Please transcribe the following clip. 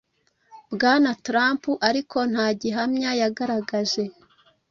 BwanaTrump ariko nta gihamya yagaragaje